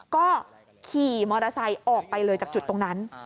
ก็ขี่มอเตอร์ไซค์ออกไปเลยจากจุดตรงนั้น